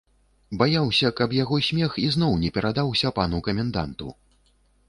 Баяўся, каб яго смех ізноў не перадаўся пану каменданту.